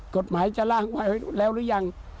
กฎหมายจะล่างไว้แล้วหรือยัง